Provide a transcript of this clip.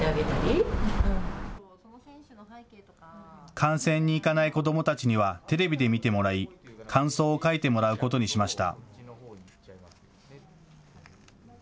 観戦に行かない子どもたちには、テレビで見てもらい、感想を書いてもらうことにしました。